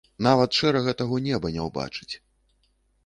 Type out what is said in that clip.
Нават шэрага таго неба не ўбачыць.